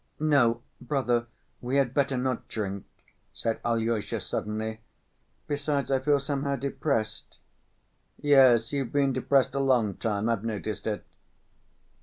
"No, brother, we had better not drink," said Alyosha suddenly. "Besides I feel somehow depressed." "Yes, you've been depressed a long time, I've noticed it."